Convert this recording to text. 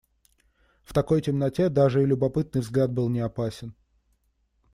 В такой темноте даже и любопытный взгляд был неопасен.